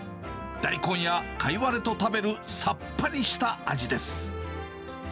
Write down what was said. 大根やカイワレと食べるさっぱりした味です。